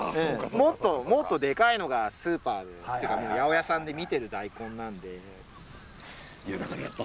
もっともっとでかいのがスーパーで八百屋さんで見てる大根なんで。